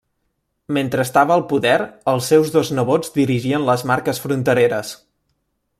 Mentre estava al poder els seus dos nebots dirigien les marques frontereres.